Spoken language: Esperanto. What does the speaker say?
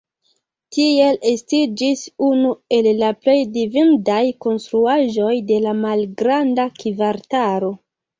Tiel estiĝis unu el la plej vidindaj konstruaĵoj de la Malgranda Kvartalo.